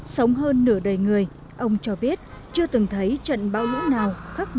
sống hơn nửa đời người ông cho biết chưa từng thấy trận bão